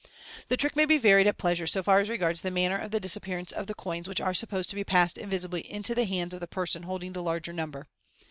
The trick may be varied at pleasure so far as regards the manner of the disappearance of the coins which are supposed to be passed invisibly into the hands of the person holding the larger number.